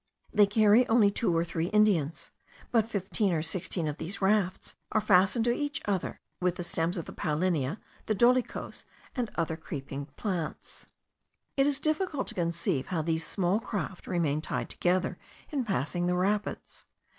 They carry only two or three Indians; but fifteen or sixteen of these rafts are fastened to each other with the stems of the paullinia, the dolichos, and other creeping plants. It is difficult to conceive how these small craft remain tied together in passing the rapids.